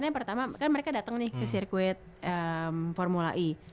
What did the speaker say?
yang pertama kan mereka datang nih ke sirkuit formula e